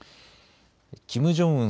キム・ジョンウン